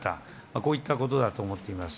こういったことだと思っています。